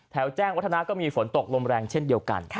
แจ้งวัฒนาก็มีฝนตกลมแรงเช่นเดียวกัน